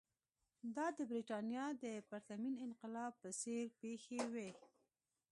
دا د برېټانیا د پرتمین انقلاب په څېر پېښې وې.